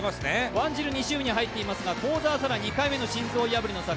ワンジル２周目に入っていますが、幸澤沙良２回目の心臓破りの坂。